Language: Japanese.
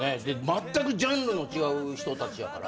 まったくジャンルの違う人たちやから。